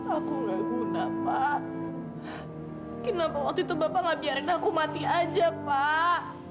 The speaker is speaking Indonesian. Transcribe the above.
aku nggak guna pak kenapa waktu itu bapak nggak biarin aku mati aja pak